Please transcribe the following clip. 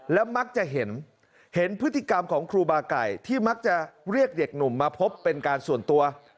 และมักจะเห็นเห็นพฤติกรรมของครูบาไก่ที่มักจะเรียกเด็กหนุ่มมาพบเป็นการส่วนตัว